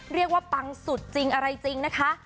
เรียกว่าปังสุดจริงอะไรจริงนะคะ